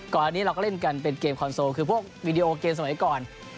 นี้เราก็เล่นกันเป็นเกมคอนโซลคือพวกวีดีโอเกมสมัยก่อน